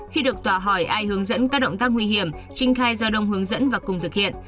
khi được tòa hỏi ai hướng dẫn các động tác nguy hiểm trinh khai do đông hướng dẫn và cùng thực hiện